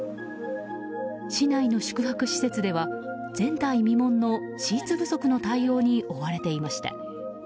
市内の宿泊施設では前代未聞のシーツ不足の対応に追われていました。